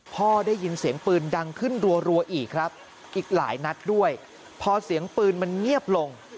ได้ยินเสียงปืนดังขึ้นรัวอีกครับอีกหลายนัดด้วยพอเสียงปืนมันเงียบลง